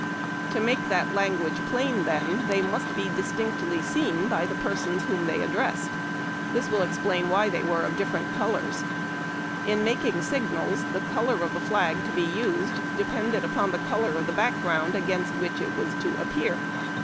To make that language plain, then, they must be distinctly seen by the persons whom they addressed. This will explain why they were of different colors. In making sig nals, the color of flag to be used depended upon tlie color of background against wliich it was to appear.